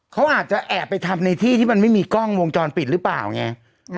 เขาอาจจะแอบไปทำในที่ที่มันไม่มีกล้องวงจรปิดหรือเปล่าไง